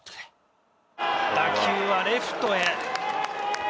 打球はレフトへ。